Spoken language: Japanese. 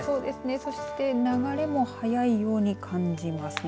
そして、流れも速いように感じますね。